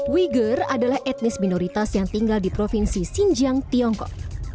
wiger adalah etnis minoritas yang tinggal di provinsi xinjiang tiongkok